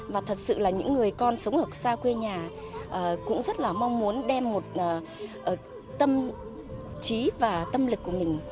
và thật sự là những người con sống ở xa quê nhà cũng rất là mong muốn đem một tâm trí và tâm lực của mình